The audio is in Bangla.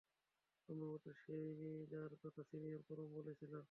সম্ভবত, সে-ই সেই মেয়ে যার কথা সিনিয়র পরম বলেছিল।